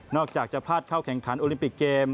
อกจากจะพลาดเข้าแข่งขันโอลิมปิกเกม